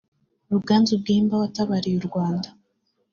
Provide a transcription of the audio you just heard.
Ruganzu Bwimba watabariye u Rwanda